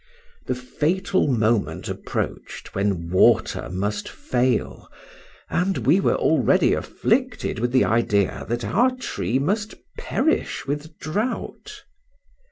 The fatal moment approached when water must fail, and we were already afflicted with the idea that our tree must perish with drought.